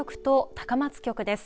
高松局です。